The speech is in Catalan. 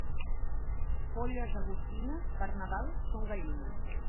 Polles agostines, per Nadal són gallines.